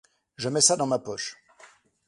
Je mets ça dans ma poche.